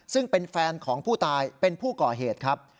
ซึ่งเป็นแฟนของผู้ตายเป็นผู้ก่อเหตุครับ